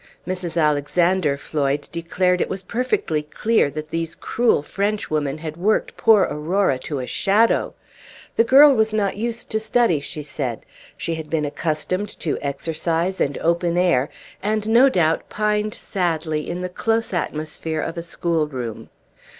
Mrs. Alexander Floyd declared it was perfectly clear that these cruel Frenchwomen had worked poor Aurora to a shadow: the girl was not used to study, she said; she had been accustomed to exercise and open air, and no doubt pined sadly in the close atmosphere of a school room.